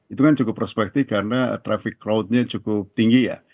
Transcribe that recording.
itu kan cukup prospektif karena traffic crowdnya cukup tinggi ya